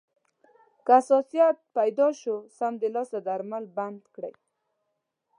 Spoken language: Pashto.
که حساسیت پیدا شو، سمدلاسه درمل بند کړئ.